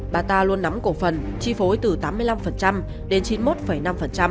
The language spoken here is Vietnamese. bà ta luôn nắm cổ phần chi phối từ tám mươi năm đến chín mươi một năm